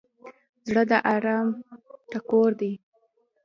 زړه د ارام ټکور دی.